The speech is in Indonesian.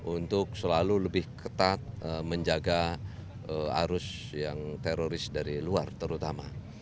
untuk selalu lebih ketat menjaga arus yang teroris dari luar terutama